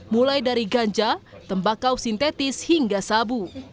mulai dari ganja tembakau sintetis dan narkoba